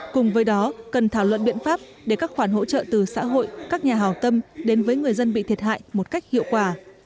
cùng với đó cần thảo luận biện pháp để các khoản hỗ trợ từ xã hội các nhà hào tâm đến với người dân bị thiệt hại một cách hiệu quả